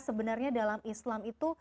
sebenarnya dalam islam itu